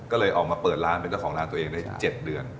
ก็เลยออกมาเปิดร้านเป็นเจ้าของร้านตัวเองได้๗เดือน